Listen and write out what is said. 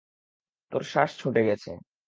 তোর শ্বাস ছুটে গেছে!